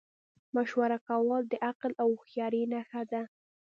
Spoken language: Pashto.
مشوره کول د عقل او هوښیارۍ نښه ده.